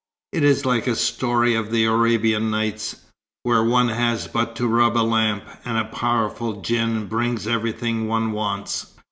It is like a story of the 'Arabian Nights,' where one has but to rub a lamp, and a powerful djinn brings everything one wants."